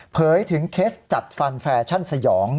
เผยถึงเคสจัดฟันแฟชั่นสยอง